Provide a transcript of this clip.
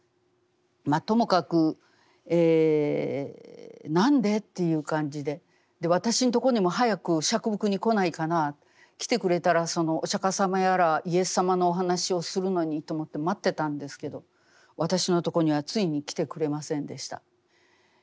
ともかく何で？という感じで私のところにも早く折伏に来ないかな来てくれたらお釈迦様やらイエス様のお話をするのにと思って待ってたんですけど私のところにはついに来てくれませんでした。